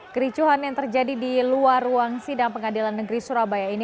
kericuhan yang terjadi di luar ruang sidang pengadilan negeri surabaya ini